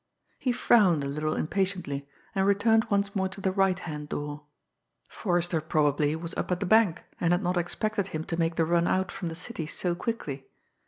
He frowned a little impatiently, and returned once more to the right hand door. Forrester probably was up at the bank, and had not expected him to make the run out from the city so quickly.